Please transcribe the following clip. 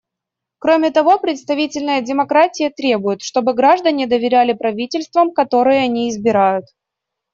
Кроме того, представительная демократия требует, чтобы граждане доверяли правительствам, которые они избирают.